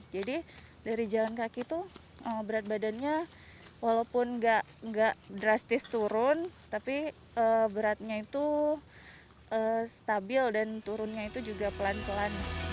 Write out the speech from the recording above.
jadi dari jalan kaki itu berat badannya walaupun gak drastis turun tapi beratnya itu stabil dan turunnya itu juga pelan pelan